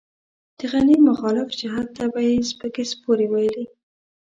د غني مخالف جهت ته به يې سپکې سپورې ويلې.